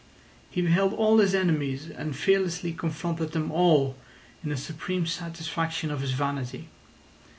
He beheld all his enemies, and fearlessly confronted them all in a supreme satisfaction of his vanity.